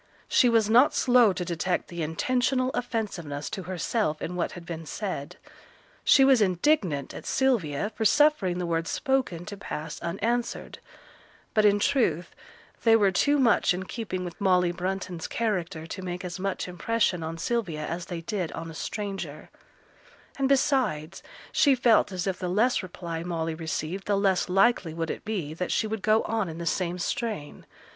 She was not slow to detect the intentional offensiveness to herself in what had been said; she was indignant at Sylvia for suffering the words spoken to pass unanswered; but in truth they were too much in keeping with Molly Brunton's character to make as much impression on Sylvia as they did on a stranger; and besides, she felt as if the less reply Molly received, the less likely would it be that she would go on in the same strain.